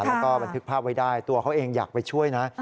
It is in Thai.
แล้วก็บันทึกภาพไว้ได้ตัวเขาเองอยากไปช่วยนะ